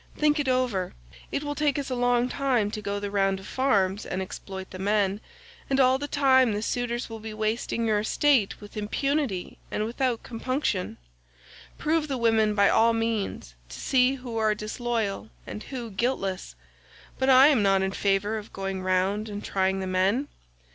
Think it over. It will take us a long time to go the round of the farms and exploit the men, and all the time the suitors will be wasting your estate with impunity and without compunction. Prove the women by all means, to see who are disloyal and who guiltless, but I am not in favour of going round and trying the men.